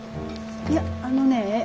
いやあのねえっと